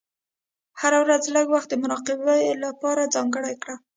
هره ورځ لږ وخت د مراقبې لپاره ځانګړی کړه.